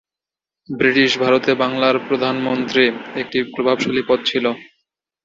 British ভারতে বাংলার প্রধানমন্ত্রী একটি প্রভাবশালী পদ ছিল।